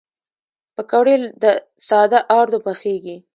پکورې له ساده آردو پخېږي